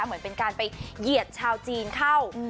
เหมือนเป็นการไปเหยียดชาวจีนเข้า